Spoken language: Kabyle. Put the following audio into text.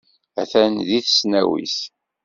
Atan deg tesnawit.